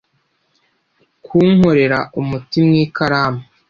kunkorera umuti mu ikaramu